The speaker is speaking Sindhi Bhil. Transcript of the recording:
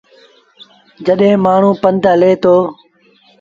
جڏهيݩ مآڻهوٚݩ ڀت هلي دو۔